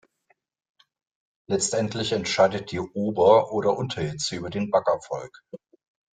Letztendlich entscheidet die Ober- oder Unterhitze über den Backerfolg.